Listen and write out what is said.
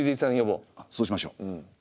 そうしましょう。